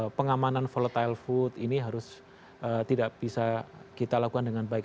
jadi pengamanan volatile food ini harus tidak bisa kita lakukan dengan baik